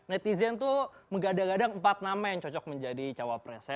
netizen tuh menggadang gadang empat nama yang cocok menjadi cawapresnya